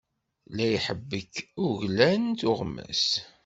La iḥebbek uglan, tuɣmas.